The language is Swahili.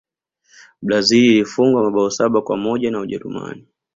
brazil ilifungwa mabao saba kwa moja na ujerumani